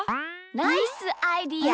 ナイスアイデア！